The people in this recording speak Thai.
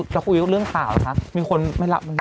จะคุยกับเรื่องข่าวหรือคะมีคนไม่รับมั้ย